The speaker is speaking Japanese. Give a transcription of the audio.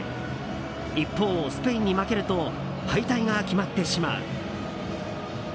一方、スペインに負けると敗退が決まってしまう。